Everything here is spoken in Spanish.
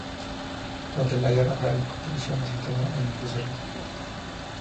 Durante la Guerra Franco-prusiana, se instaló en Bruselas.